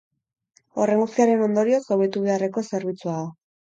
Horren guztiaren ondorioz, hobetu beharreko zerbitzua da.